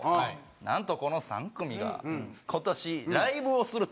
なんとこの３組が今年ライブをすると。